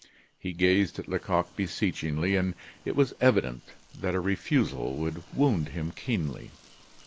He gazed at Lecoq beseechingly, and it was evident that a refusal would wound him keenly.